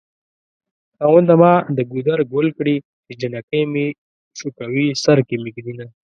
خاونده ما د ګودر ګل کړې چې جنکۍ مې شوکوي سر کې مې ږدينه